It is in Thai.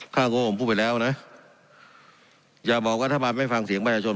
ค้าโจรผมพูดไปแล้วนะอย่าบอกว่าถ้ามาไม่ฟังเสียงบ้ายชน